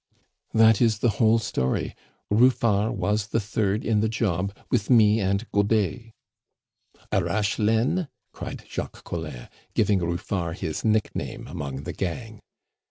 "That is the whole story. Ruffard was the third in the job with me and Godet " "Arrache Laine?" cried Jacques Collin, giving Ruffard his nickname among the gang.